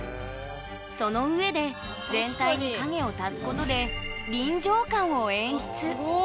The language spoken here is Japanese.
そのうえで全体に影を足すことで臨場感を演出すご。